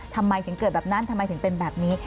ทำไมถึงเกิดแบบนั้นทำไมถึงเป็นแบบนี้